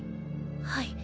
はい。